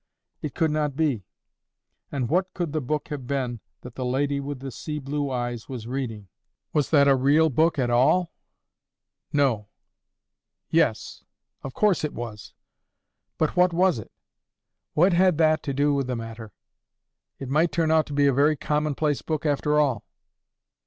—it could not be. And what could the book have been that the lady with the sea blue eyes was reading? Was that a real book at all? No. Yes. Of course it was. But what was it? What had that to do with the matter? It might turn out to be a very commonplace book after all.